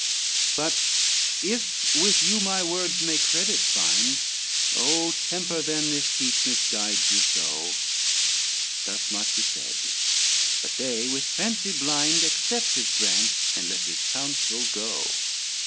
LXXXIII "But if with you my words may credit find, Oh temper then this heat misguides you so!" Thus much he said, but they with fancy blind, Accept his grant, and let his counsel go.